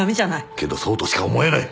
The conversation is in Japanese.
けどそうとしか思えない。